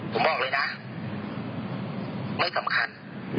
ผมบอกเลยนะไม่สำคัญ